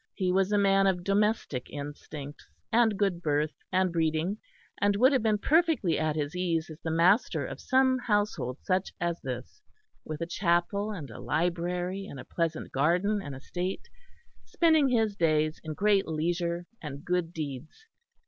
He was a man of domestic instincts and good birth and breeding, and would have been perfectly at his ease as the master of some household such as this; with a chapel and a library and a pleasant garden and estate; spending his days in great leisure and good deeds.